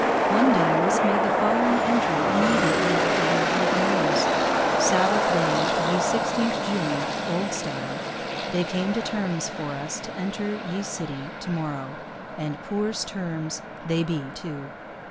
One diarist made the following entry immediately after he had heard the news: 'Sabbath Day, ye 16th June [Old Style] they came to Termes for us to enter ye Sitty to morrow, and Poore Termes they Bee too.'